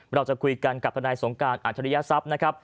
เราจะคุยกันกับทนายสงการอัจฉริยศัพย์นะครับ